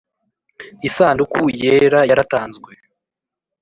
Isanduku yera yaratanzwe